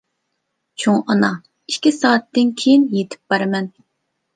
چوڭ ئانا، ئىككى سائەتتىن كېيىن يېتىپ بارىمەن.